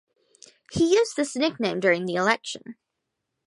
He used this nickname during the election.